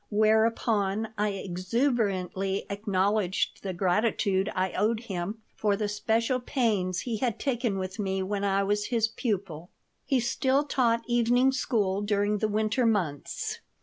Whereupon I exuberantly acknowledged the gratitude I owed him for the special pains he had taken with me when I was his pupil He still taught evening school during the winter months.